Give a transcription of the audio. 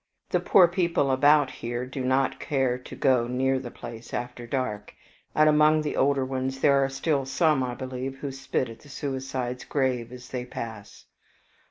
The poor people about here do not care to go near the place after dark, and among the older ones there are still some, I believe, who spit at the suicide's grave as they pass."